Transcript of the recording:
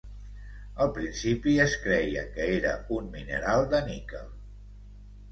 Al principi es creia que era un mineral de níquel.